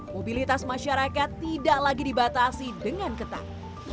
mobilitas masyarakat tidak lagi dibatasi dengan ketat